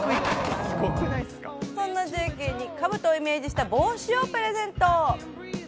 そんなジェイ・ケイに兜をイメージした帽子をプレゼント。